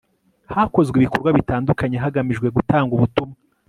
hakozwe ibikorwa bitandukanye hagamijwe gutanga ubutumwa